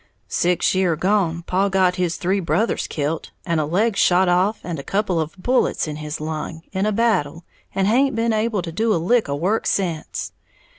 Six year gone, paw got his three brothers kilt and a leg shot off and a couple of bullets in his lung, in a battle, and haint been able to do a lick of work sence.